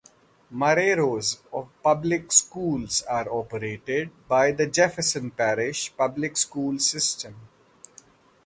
Marrero's public schools are operated by the Jefferson Parish Public School System.